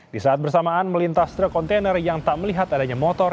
di saat bersamaan melintas truk kontainer yang tak melihat adanya motor